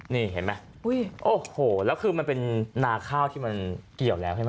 นี่เห็นไหมโอ้โหแล้วคือมันเป็นนาข้าวที่มันเกี่ยวแล้วใช่ไหม